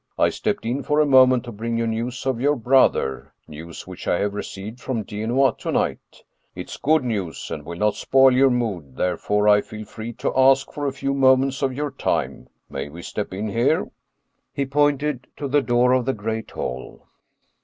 I stepped in for a moment to bring you news of your brother, news which I have received from Genoa to night. It is good news, and will not spoil your mood, therefore I feel free to ask for a few moments of your time. May we step in here ?" He pointed to the door of the great hall.